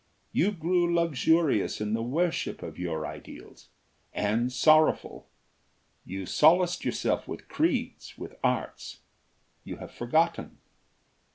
You grew luxurious in the worship of your ideals, and sorrowful; you solaced yourselves with creeds, with arts you have forgotten!"